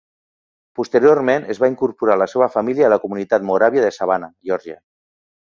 Posteriorment es va incorporar a la seva família a la comunitat moràvia de Savannah, Geòrgia.